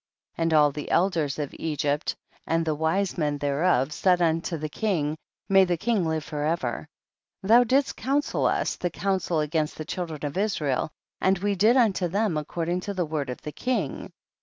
12. And all the elders of Egypt and the wise men thereof said unto the king, may the king live forever ; thou didst counsel vis the counsel against the children of Israel, and we did unto them according to the word of the king.